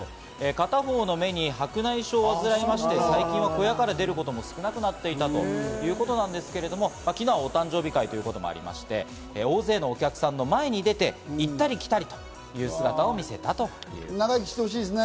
片方の目に白内障を患いまして、最近は小屋から出ることも少なくなっていたということなんですけれども、昨日はお誕生日会ということもありまして、大勢のお客さんの前に出て、行ったり来たりという姿を見せました。